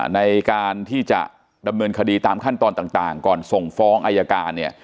ในการที่จะดำเนินคดีตามขั้นตอนต่างก่อนส่งฟ้องอายการเนี่ย